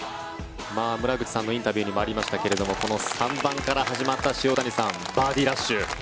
村口さんのインタビューにもありましたけれどもこの３番から始まった塩谷さん、バーディーラッシュ。